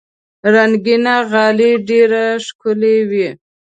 رنګینه غالۍ ډېر ښکلي وي.